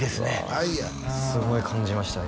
愛やすごい感じました